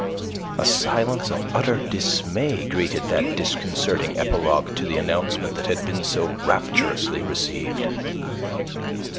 A silence of utter dismay greeted that disconcerting epilogue to the announcement that had been so rapturously received.